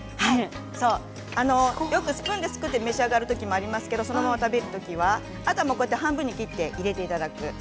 よくスプーンですくって召し上がる時もありますがそのまま食べる時はあとは半分に切って入れていただく。